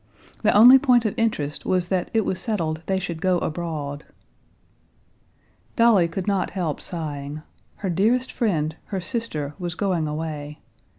The only point of interest was that it was settled they should go abroad. Dolly could not help sighing. Her dearest friend, her sister, was going away.